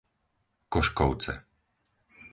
Koškovce